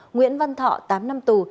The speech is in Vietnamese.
nguyễn văn thọ tám năm tù